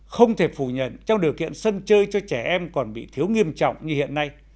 không thể phủ nhận trong điều kiện sân chơi cho trẻ em còn bị thiếu nghiêm trọng như hiện nay